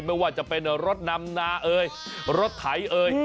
ไม่ว่าจะเป็นรถนำนาเอ่ยรถไถเอ่ย